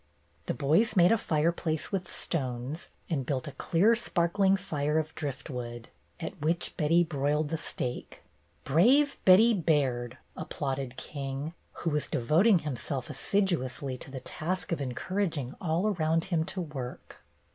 The boys made a fireplace with stones, and built a clear, sparkling fire of driftwood, at which Betty broiled the steak. "Brave Betty Baird!" applauded King, 40 BETTY BAIRD'S GOLDEN YEAR who was devoting himself assiduously to the task of encouraging all around him to work.